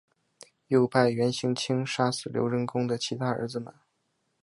又派元行钦杀死刘仁恭的其他儿子们。